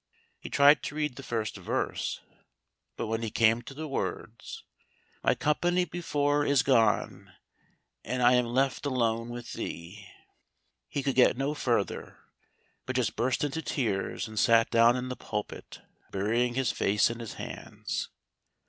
He tried to read the first verse, but when he came to the words "My company before is gone, And I am left alone with Thee," he could get no further, but just burst into tears, and sat down in the pulpit, burying his face in his hands.